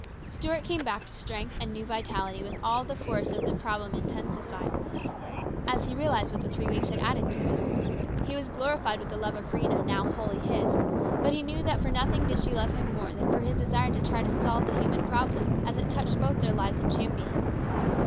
Stuart came back to strength and new vitality with all the force of the old problem intensified as he 244 HIS BROTHER'S KEEPER. realised what the three weeks had added to it. He was glorified with the love of Rhena, now wholly his, but he knew that for nothing did she love him more than for his desire to try to solve the human problem, as it touched both their lives in Champion.